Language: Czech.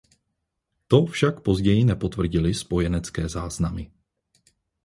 To však později nepotvrdily spojenecké záznamy.